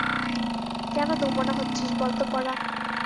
কেন দোমনা হচ্ছিস বল তো পরাণ?